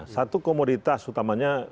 satu komoditas utamanya